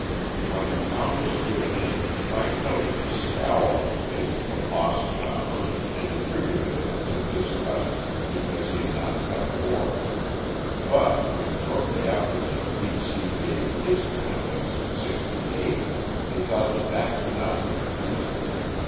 When the count was given in, Frank noticed a scowl on the face of the "boss chopper" and attributed it to disgust because he had not cut more, but when shortly after the "b. c." gave in his count as sixty eight, he thought that that could not be the reason.